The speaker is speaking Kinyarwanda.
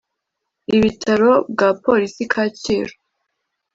ibitaro bwa polisi kacyiru